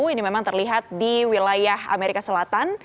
ini memang terlihat di wilayah amerika selatan